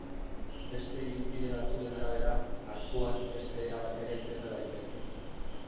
Beste irizpide batzuen arabera, arkuak beste era batera izenda daitezke.